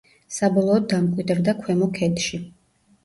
საბოლოოდ დამკვიდრდა ქვემო ქედში.